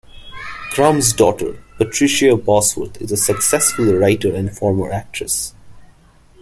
Crum's daughter, Patricia Bosworth, is a successful writer and former actress.